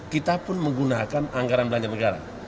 kita pun menggunakan anggaran belanja negara